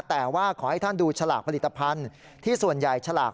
แต่ว่าขอให้ท่านดูฉลากผลิตภัณฑ์ที่ส่วนใหญ่ฉลาก